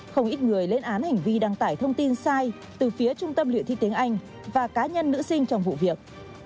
không ít người lên án hành vi đăng tải thông tin sai từ phía trung tâm luyện thi tiếng anh và cá nhân nữ sinh trong vụ việc